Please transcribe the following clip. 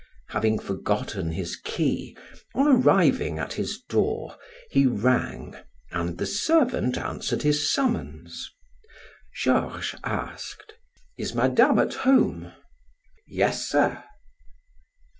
Having forgotten his key, on arriving at his door, he rang and the servant answered his summons. Georges asked: "Is Madame at home?" "Yes, sir."